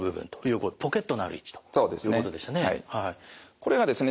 これがですね